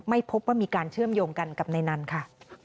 ไม่พบว่ามีการเชื่อมโยงกันกับในนั้นค่ะ